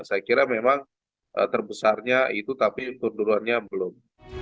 saya kira memang terbesarnya itu tapi turunannya belum